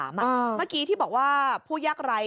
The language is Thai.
เมื่อกี้ที่บอกว่าผู้ยากไร้